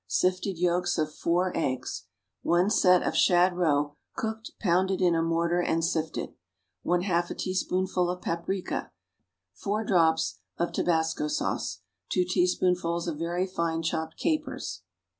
Sifted yolks of 4 eggs. 1 set of shad roe, cooked, pounded in a mortar and sifted. 1/2 a teaspoonful of paprica. 4 drops of tobasco sauce. 2 teaspoonfuls of very fine chopped capers.